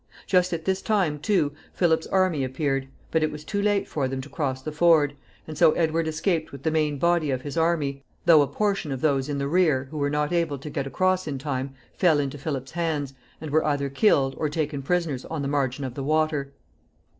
Just at this time, too, Philip's army appeared, but it was too late for them to cross the ford, and so Edward escaped with the main body of his army, though a portion of those in the rear, who were not able to get across in time, fell into Philip's hands, and were either killed or taken prisoners on the margin of the water.